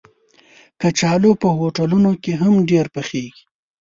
کچالو په هوټلونو کې هم ډېر پخېږي